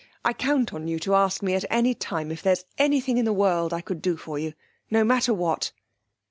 I count on you to ask me at any time if there's anything in the world I could do for you, no matter what!'